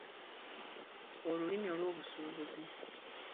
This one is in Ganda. Olulimi olw'obusuubuzi.